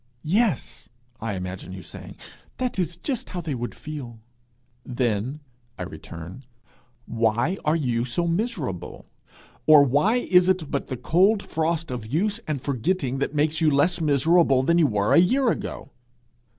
'Yes,' I imagine you saying, 'that is just how they would feel!' 'Then,' I return, 'why are you so miserable? Or why is it but the cold frost of use and forgetting that makes you less miserable than you were a year ago?'